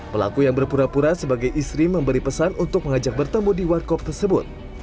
pelaku yang berpura pura sebagai istri memberi pesan untuk mengajak bertemu di warkop tersebut